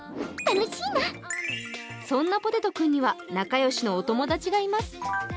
そんなポテト君には仲良しのお友達がいます。